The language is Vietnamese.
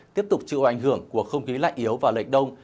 tiếp tục chịu ảnh hưởng của không khí lạnh yếu và lệch đông